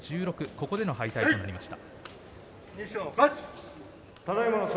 ここでの敗退となりました。